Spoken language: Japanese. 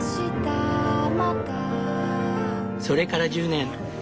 それから１０年。